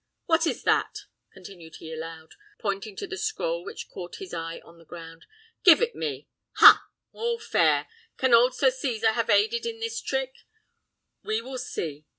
What is that?" continued he aloud, pointing to the scroll which caught his eye on the ground. "Give it me. Ha! All fair! Can old Sir Cesar have aided in this trick: we will see."